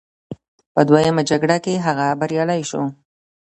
په دویمه جګړه کې هغه بریالی شو.